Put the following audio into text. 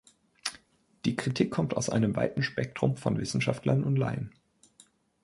Die Kritik kommt aus einem weiten Spektrum von Wissenschaftlern und Laien.